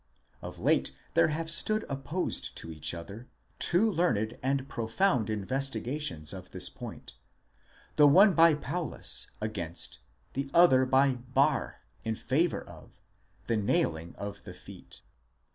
Of late there have stood: opposed to each other two learned and profound investigations of this point, the one by Paulus against, the other by Bahr, in favour of—the nailing of the feet.